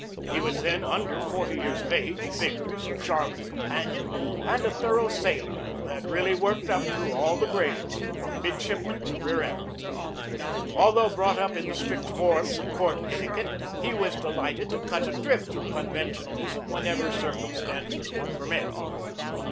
He was then under forty years of age, vigorous, a charming companion, and a thorough sailor who had really worked up through all the grades from midshipman to rear admiral. Although brought up in the strict forms of court etiquette, he was delighted to cut adrift from conventionalism whenever circumstances would permit.